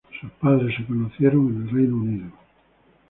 Sus padres se conocieron en el Reino Unido.